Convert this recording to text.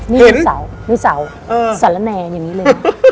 นี่เป็นเสานี่เสาสละแนอย่างนี้เลย